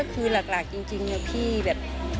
ก็คือหลักจริงเนี่ยพี่แบบ